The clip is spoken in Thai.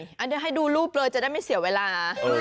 เดี๋ยวให้ดูรูปเลยจะได้ไม่เสียเวลา